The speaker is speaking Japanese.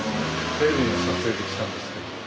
テレビの撮影で来たんですけど。